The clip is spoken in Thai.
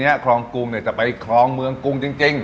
คลองกรุงเนี่ยจะไปคลองเมืองกรุงจริง